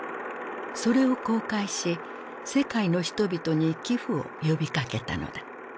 それを公開し世界の人々に寄付を呼びかけたのだ。